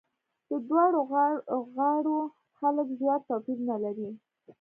د دواړو غاړو خلک ژور توپیرونه لري.